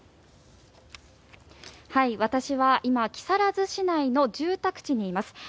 私は今木更津市内の住宅地にいます。